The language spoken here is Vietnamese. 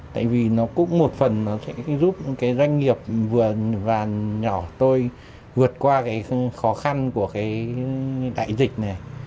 tại vì nó cũng một phần nó sẽ giúp cái doanh nghiệp vừa và nhỏ tôi vượt qua cái khó khăn của cái đại dịch này